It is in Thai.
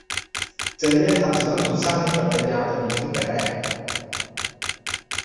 จริยธรรมจะต้องถูกสร้างให้กับปัญญาประดิษฐ์ตั้งแต่แรก